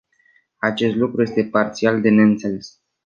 Acest lucru este parțial de înțeles.